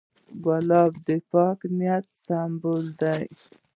ګلاب د پاک نیت سمبول دی.